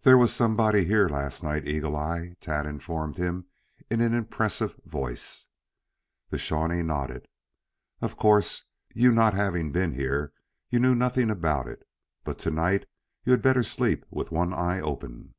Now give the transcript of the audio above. "There was somebody here last night, Eagle eye," Tad informed him in an impressive voice. The Shawnee nodded. "Of course, you not having been here, you knew nothing about it, but to night you'd better sleep with one eye open.